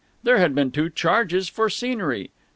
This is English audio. There had been two charges for scenery!